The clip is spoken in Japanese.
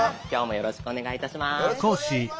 よろしくお願いします！